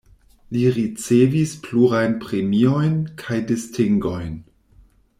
Li ricevis plurajn premiojn kaj distingojn.